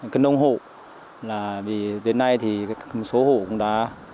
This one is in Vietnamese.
cái nông hộ là vì đến nay thì số hộ cũng đã